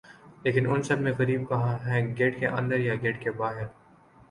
لیکن ان سب میں غریب کہاں ہے گیٹ کے اندر یا گیٹ کے باہر